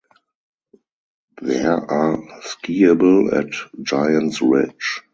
There are skiable at Giants Ridge.